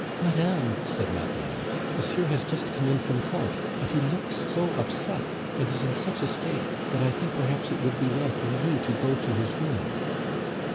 "Madame," said Madeleine, "monsieur has just come in from Court; but he looks so upset, and is in such a state, that I think perhaps it would be well for you to go to his room."